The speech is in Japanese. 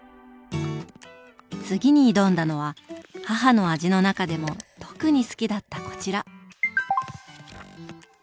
次に挑んだのは母の味の中でも特に好きだったこちら。